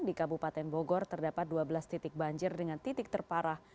di kabupaten bogor terdapat dua belas titik banjir dengan titik terparah